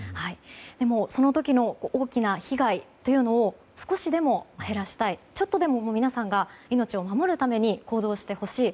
でも、その時の大きな被害を少しでも減らしたいちょっとでも皆さんが命を守るために行動してほしい。